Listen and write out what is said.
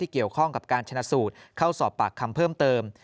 เกี่ยวข้องกับการชนะสูตรเข้าสอบปากคำเพิ่มเติม